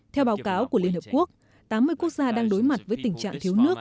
theo báo cáo của liên hợp quốc tám mươi quốc gia đang đối mặt với tình trạng thiếu nước